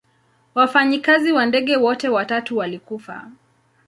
Wafanyikazi wa ndege wote watatu walikufa.